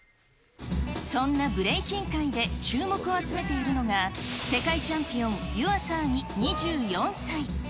そんなブレイキン界で注目を集めているのが、世界チャンピオン、湯浅亜実２４歳。